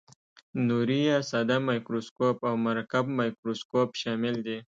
نوري یا ساده مایکروسکوپ او مرکب مایکروسکوپ شامل دي.